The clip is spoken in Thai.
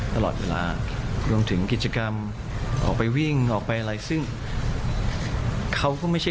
ทุกคนเลย